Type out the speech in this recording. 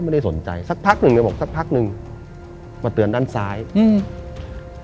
ไม่ได้สนใจสักพักหนึ่งเลยบอกสักพักหนึ่งมาเตือนด้านซ้ายอืม